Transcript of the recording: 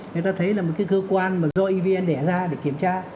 người ta thấy là một cái cơ quan mà do evn đẻ ra để kiểm tra